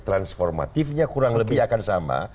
transformatifnya kurang lebih akan sama